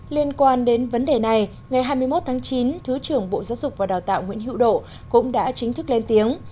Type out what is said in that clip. liên quan đến vấn đề này ngày hai mươi một tháng chín thứ trưởng bộ giáo dục và đào tạo nguyễn hữu độ cũng đã chính thức lên tiếng